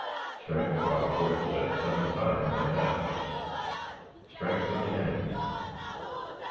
Strength of our Forces at Seven Pines and after. Strength of the Enemy.